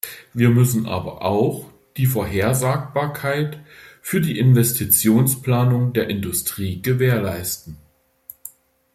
Wir müssen aber auch die Vorhersagbarkeit für die Investitionsplanung der Industrie gewährleisten.